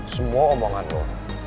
semua omongan lu